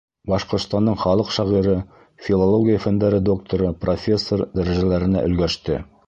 Башҡортостандың халыҡ шағиры, филология фәндәре докторы, профессор дәрәжәләренә өлгәште.